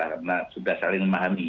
karena sudah saling memahami